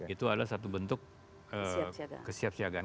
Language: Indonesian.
itu adalah satu bentuk kesiapsiagaan